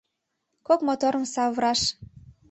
Кок моторым савыраш.